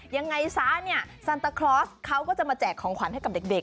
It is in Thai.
ยังไงซะเนี่ยซันตาคลอสเขาก็จะมาแจกของขวัญให้กับเด็ก